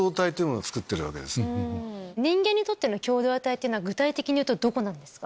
人間にとっての共同体は具体的にいうとどこなんですか？